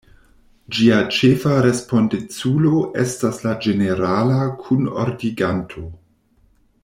Ĝia ĉefa respondeculo estas la Ĝenerala Kunordiganto.